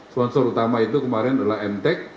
sponsor utama itu kemarin adalah m tech